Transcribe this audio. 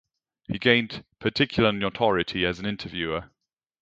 He gained particular notoriety as an interviewer.